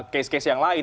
case case yang lain